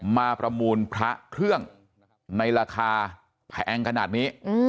ประมูลพระเครื่องในราคาแพงขนาดนี้